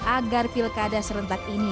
agar pilkada serentak ini